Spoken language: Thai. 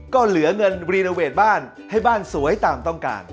ก็เหลือเงินรีโนเวทบ้านให้บ้านสวยตามต้องการ